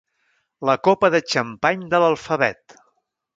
La copa de xampany de l'alfabet.